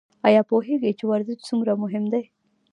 ایا پوهیږئ چې ورزش څومره مهم دی؟